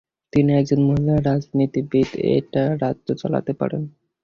তিনি একজন মহিলা রাজনীতিবিদ্, একটা রাজ্য চালাতে পারেন।